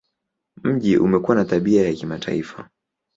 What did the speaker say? Mji umekuwa na tabia ya kimataifa.